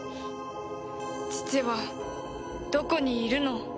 父はどこにいるの？